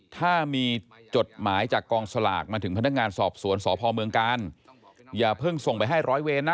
ถ้ามีจดหมายจากกองสลากมาถึงพนักงานสอบสวนสพเมืองกาลอย่าเพิ่งส่งไปให้ร้อยเวรนะ